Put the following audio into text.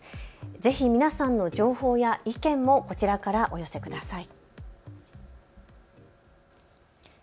ぜひ皆さんの情報や意見もこちらからお寄せください。